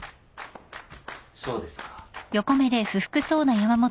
そうですか。